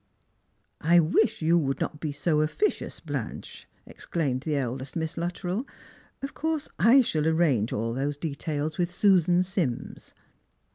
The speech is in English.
" I wish you would not be so officious, Blanche," exclaimed the eldest Miss Luttrell. " Of course, I shall arrange all those details with Susan Sims."